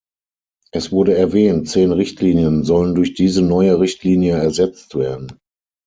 Es wurde erwähnt, zehn Richtlinien sollen durch diese neue Richtlinie ersetzt werden.